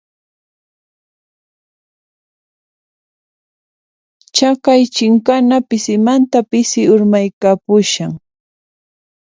Chaqay chinkana pisimanta pisi urmaykapushan.